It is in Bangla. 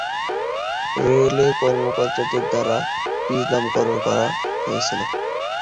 রেলওয়ে কর্মকর্তাদের দ্বারা পিজ নামকরণ করা হয়েছিল।